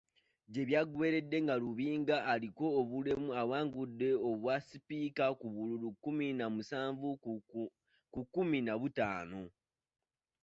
Gye byaggweeredde nga Lubinga aliko obulemu awangudde obwasipiika ku bululu kkumi na musanvu ku kkumi na butaano.